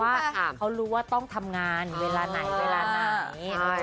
แสดงว่าเขารู้ว่าต้องทำงานเวลานาย